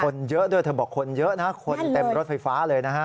เยอะด้วยเธอบอกคนเยอะนะคนเต็มรถไฟฟ้าเลยนะฮะ